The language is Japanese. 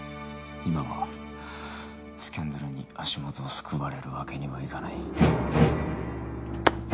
今はスキャンダルに足元をすくわれるわけにはいかない。